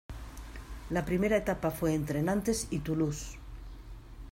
La primera etapa fue entre Nantes y Toulouse.